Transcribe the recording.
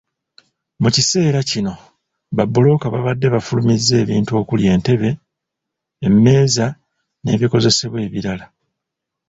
Mu kiseera kino babbulooka baabadde bafulumizza ebintu okuli entebe, emmeeza n’ebikozesebwa ebirala.